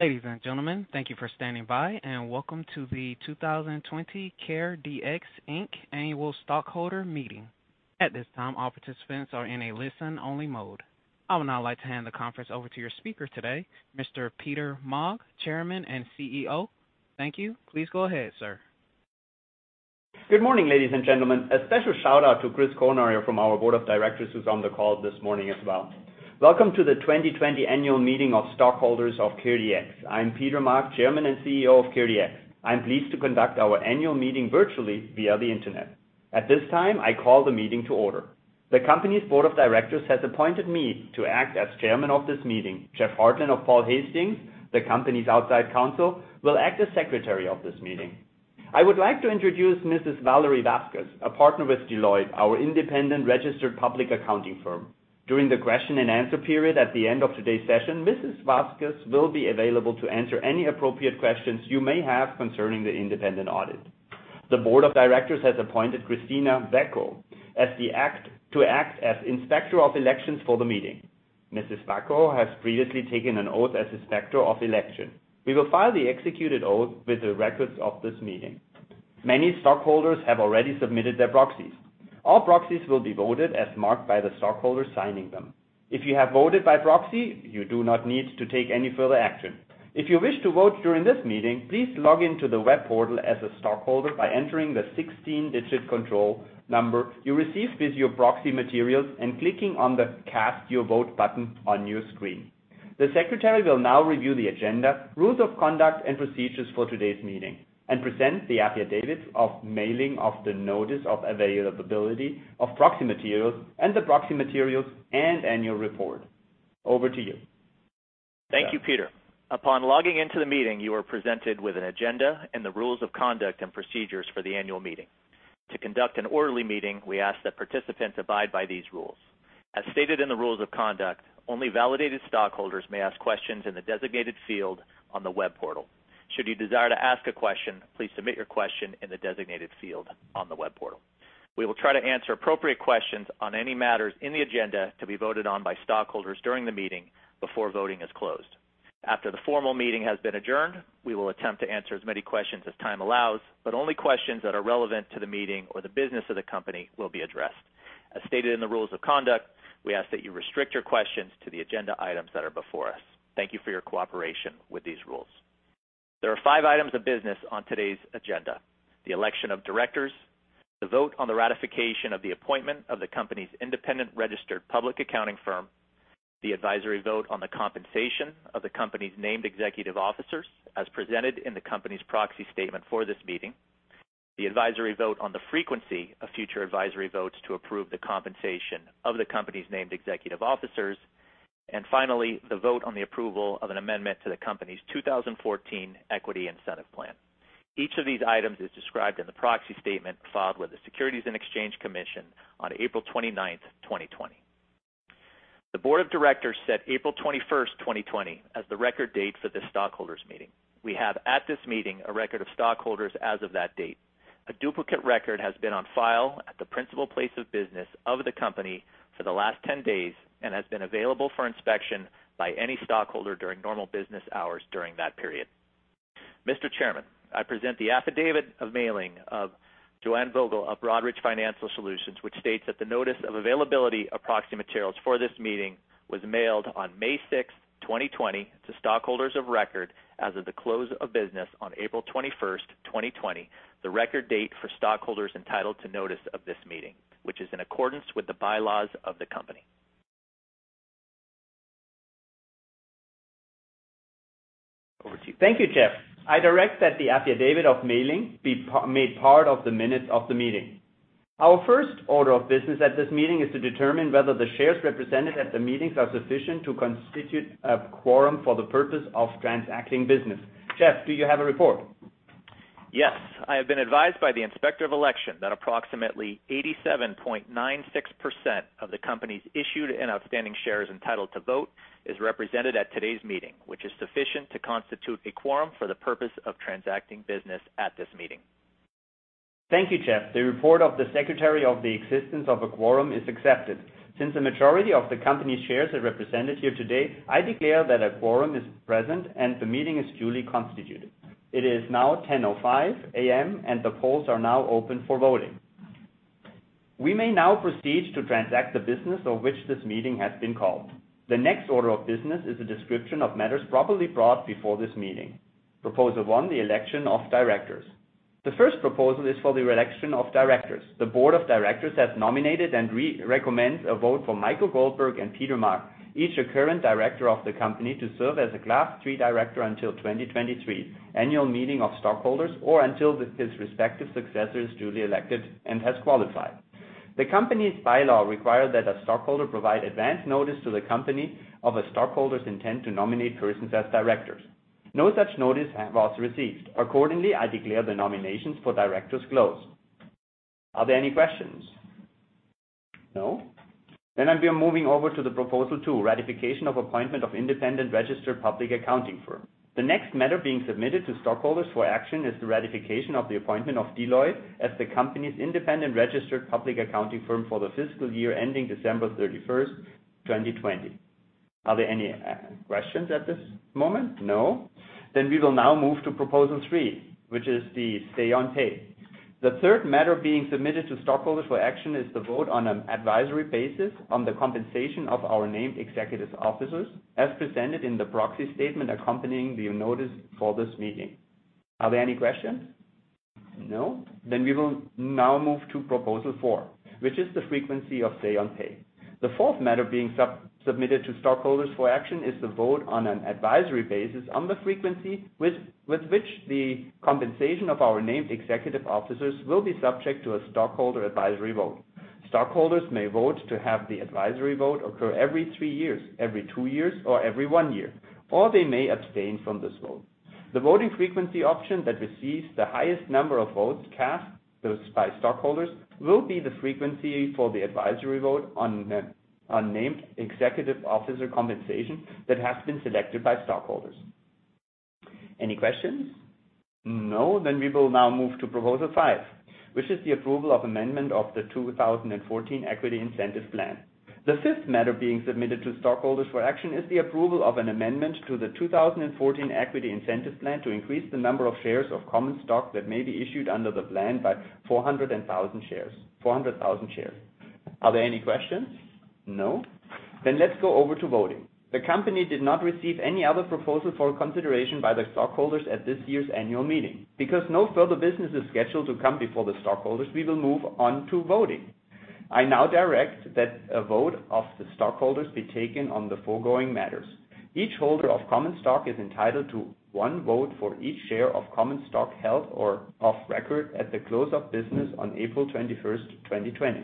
Ladies and gentlemen, thank you for standing by, and Welcome to the 2020 CareDx, Inc. Annual Stockholder Meeting. At this time, all participants are in a listen-only mode. I would now like to hand the conference over to your speaker today, Mr. Peter Maag, Chairman and CEO. Thank you. Please go ahead, sir. Good morning, ladies and gentlemen. A special shout-out to Chris Conor here from our board of directors, who's on the call this morning as well. Welcome to the 2020 annual meeting of stockholders of CareDx. I'm Peter Maag, Chairman and CEO of CareDx. I'm pleased to conduct our annual meeting virtually via the Internet. At this time, I call the meeting to order. The company's board of directors has appointed me to act as chairman of this meeting. Jeff Hartlin of Paul Hastings, the company's outside counsel, will act as secretary of this meeting. I would like to introduce Mrs. Valerie Vasquez, a partner with Deloitte, our independent registered public accounting firm. During the question and answer period at the end of today's session, Mrs. Vasquez will be available to answer any appropriate questions you may have concerning the independent audit. The board of directors has appointed Christina Vacco to act as Inspector of Elections for the meeting. Mrs. Vacco has previously taken an oath as Inspector of Elections. We will file the executed oath with the records of this meeting. Many stockholders have already submitted their proxies. All proxies will be voted as marked by the stockholder signing them. If you have voted by proxy, you do not need to take any further action. If you wish to vote during this meeting, please log in to the web portal as a stockholder by entering the 16-digit control number you received with your proxy materials and clicking on the Cast Your Vote button on your screen. The secretary will now review the agenda, rules of conduct, and procedures for today's meeting and present the affidavit of mailing of the notice of availability of proxy materials and the proxy materials and annual report. Over to you. Thank you, Peter. Upon logging into the meeting, you are presented with an agenda and the rules of conduct and procedures for the annual meeting. To conduct an orderly meeting, we ask that participants abide by these rules. As stated in the rules of conduct, only validated stockholders may ask questions in the designated field on the web portal. Should you desire to ask a question, please submit your question in the designated field on the web portal. We will try to answer appropriate questions on any matters in the agenda to be voted on by stockholders during the meeting before voting is closed. After the formal meeting has been adjourned, we will attempt to answer as many questions as time allows, but only questions that are relevant to the meeting or the business of the company will be addressed. As stated in the rules of conduct, we ask that you restrict your questions to the agenda items that are before us. Thank you for your cooperation with these rules. There are five items of business on today's agenda. The election of directors, the vote on the ratification of the appointment of the company's independent registered public accounting firm, the advisory vote on the compensation of the company's named executive officers as presented in the company's proxy statement for this meeting, the advisory vote on the frequency of future advisory votes to approve the compensation of the company's named executive officers, and finally, the vote on the approval of an amendment to the company's 2014 equity incentive plan. Each of these items is described in the proxy statement filed with the Securities and Exchange Commission on April 29, 2020. The board of directors set April 21st, 2020, as the record date for this stockholders meeting. We have, at this meeting, a record of stockholders as of that date. A duplicate record has been on file at the principal place of business of the company for the last 10 days and has been available for inspection by any stockholder during normal business hours during that period. Mr. Chairman, I present the affidavit of mailing of Joanne Vogel of Broadridge Financial Solutions, which states that the notice of availability of proxy materials for this meeting was mailed on May 6th, 2020, to stockholders of record as of the close of business on April 21st, 2020, the record date for stockholders entitled to notice of this meeting, which is in accordance with the bylaws of the company. Over to you. Thank you, Jeff. I direct that the affidavit of mailing be made part of the minutes of the meeting. Our first order of business at this meeting is to determine whether the shares represented at the meetings are sufficient to constitute a quorum for the purpose of transacting business. Jeff, do you have a report? Yes. I have been advised by the Inspector of Election that approximately 87.96% of the company's issued and outstanding shares entitled to vote is represented at today's meeting, which is sufficient to constitute a quorum for the purpose of transacting business at this meeting. Thank you, Jeff. The report of the secretary of the existence of a quorum is accepted. Since the majority of the company's shares are represented here today, I declare that a quorum is present and the meeting is duly constituted. It is now 10:05AM. The polls are now open for voting. We may now proceed to transact the business of which this meeting has been called. The next order of business is a description of matters properly brought before this meeting. Proposal 1, the election of directors. The first proposal is for the election of directors. The board of directors has nominated and recommends a vote for Michael Goldberg and Peter Maag, each a current director of the company, to serve as a Class III director until 2023 Annual Meeting of Stockholders or until his respective successor is duly elected and has qualified. The company's bylaws require that a stockholder provide advance notice to the company of a stockholder's intent to nominate persons as directors. No such notice was received. Accordingly, I declare the nominations for directors closed. Are there any questions? No. I'll be moving over to Proposal two, Ratification of Appointment of Independent Registered Public Accounting Firm. The next matter being submitted to stockholders for action is the ratification of the appointment of Deloitte as the company's independent registered public accounting firm for the fiscal year ending December 31st, 2020. Are there any questions at this moment? No. We will now move to Proposal three, which is the say on pay. The third matter being submitted to stockholders for action is the vote on an advisory basis on the compensation of our named executive officers, as presented in the proxy statement accompanying the notice for this meeting. Are there any questions? No. We will now move to proposal four, which is the frequency of say on pay. The fourth matter being submitted to stockholders for action is the vote on an advisory basis on the frequency with which the compensation of our named executive officers will be subject to a stockholder advisory vote. Stockholders may vote to have the advisory vote occur every three years, every two years, or every one year. They may abstain from this vote. The voting frequency option that receives the highest number of votes cast by stockholders will be the frequency for the advisory vote on named executive officer compensation that has been selected by stockholders. Any questions? No. We will now move to proposal five, which is the approval of amendment of the 2014 equity incentive plan. The fifth matter being submitted to stockholders for action is the approval of an amendment to the 2014 equity incentive plan to increase the number of shares of common stock that may be issued under the plan by 400,000 shares. Are there any questions? No. Let's go over to voting. The company did not receive any other proposal for consideration by the stockholders at this year's annual meeting. Because no further business is scheduled to come before the stockholders, we will move on to voting. I now direct that a vote of the stockholders be taken on the foregoing matters. Each holder of common stock is entitled to one vote for each share of common stock held or of record at the close of business on April 21st, 2020.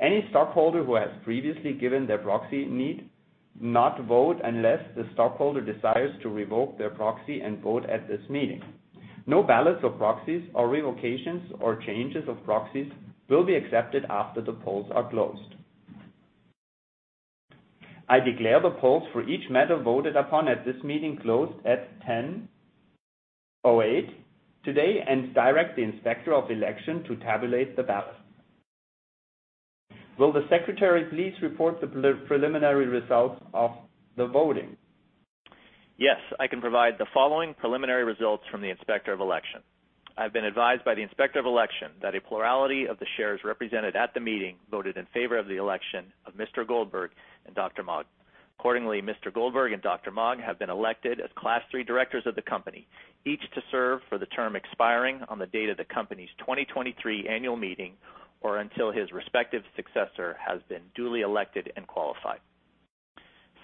Any stockholder who has previously given their proxy need not vote unless the stockholder desires to revoke their proxy and vote at this meeting. No ballots or proxies or revocations or changes of proxies will be accepted after the polls are closed. I declare the polls for each matter voted upon at this meeting closed at 10:08AM. today and direct the Inspector of Election to tabulate the ballots. Will the secretary please report the preliminary results of the voting? Yes, I can provide the following preliminary results from the Inspector of Election. I've been advised by the Inspector of Election that a plurality of the shares represented at the meeting voted in favor of the election of Mr. Goldberg and Dr. Maag. Mr. Goldberg and Dr. Maag have been elected as class 3 directors of the company, each to serve for the term expiring on the date of the company's 2023 annual meeting, or until his respective successor has been duly elected and qualified.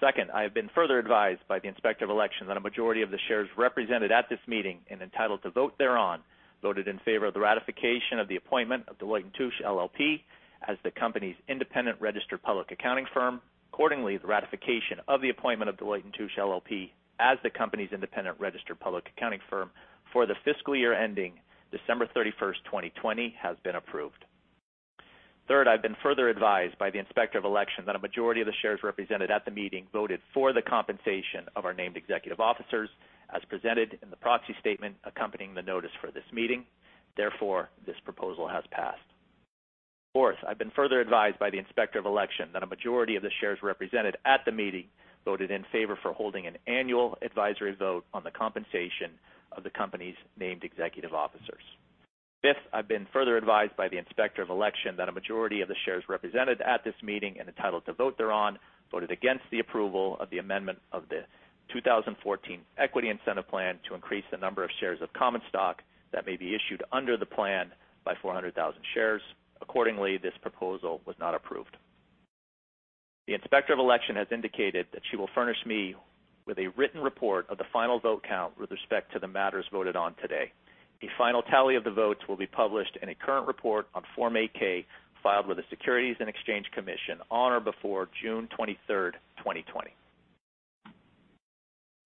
I have been further advised by the Inspector of Election that a majority of the shares represented at this meeting and entitled to vote thereon, voted in favor of the ratification of the appointment of Deloitte & Touche LLP as the company's independent registered public accounting firm. Accordingly, the ratification of the appointment of Deloitte & Touche LLP as the company's independent registered public accounting firm for the fiscal year ending December 31st, 2020, has been approved. Third, I've been further advised by the Inspector of Election that a majority of the shares represented at the meeting voted for the compensation of our named executive officers as presented in the proxy statement accompanying the notice for this meeting. Therefore, this proposal has passed. Fourth, I've been further advised by the Inspector of Election that a majority of the shares represented at the meeting voted in favor for holding an annual advisory vote on the compensation of the company's named executive officers. Fifth, I've been further advised by the Inspector of Election that a majority of the shares represented at this meeting and entitled to vote thereon, voted against the approval of the amendment of the 2014 equity incentive plan to increase the number of shares of common stock that may be issued under the plan by 400,000 shares. Accordingly, this proposal was not approved. The Inspector of Election has indicated that she will furnish me with a written report of the final vote count with respect to the matters voted on today. The final tally of the votes will be published in a current report on Form 8-K filed with the Securities and Exchange Commission on or before June 23rd, 2020.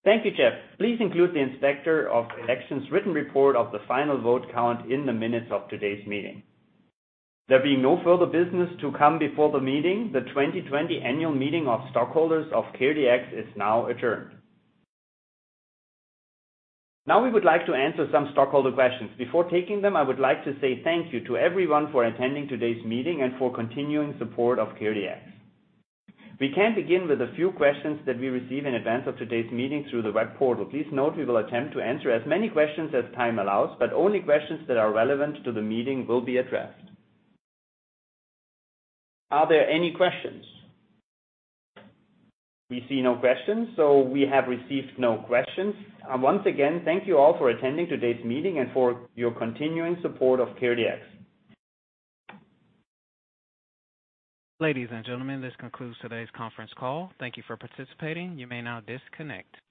Thank you, Jeff. Please include the Inspector of Election's written report of the final vote count in the minutes of today's meeting. There being no further business to come before the meeting, the 2020 annual meeting of stockholders of CareDx is now adjourned. We would like to answer some stockholder questions. Before taking them, I would like to say thank you to everyone for attending today's meeting and for continuing support of CareDx. We can begin with a few questions that we received in advance of today's meeting through the web portal. Please note we will attempt to answer as many questions as time allows, only questions that are relevant to the meeting will be addressed. Are there any questions? We see no questions, we have received no questions. Once again, thank you all for attending today's meeting and for your continuing support of CareDx. Ladies and gentlemen, this concludes today's conference call. Thank you for participating. You may now disconnect.